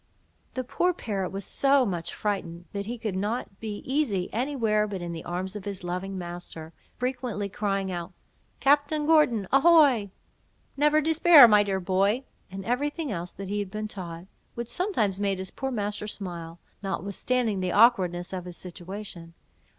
The poor parrot was so much frightened, that he could not be easy any where but in the arms of his loving master, frequently crying out—"Captain Gordon, ahoy!" "Never despair, my dear boy!" and every thing else that he had been taught, which sometimes made his poor master smile, notwithstanding the awkwardness of his situation.